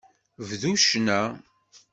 Bdu ccna.